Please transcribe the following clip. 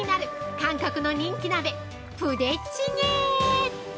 韓国の人気鍋、プデチゲ。